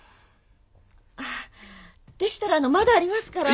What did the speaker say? ああでしたらまだありますから。